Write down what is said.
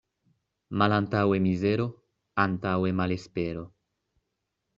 Malantaŭe mizero, antaŭe malespero.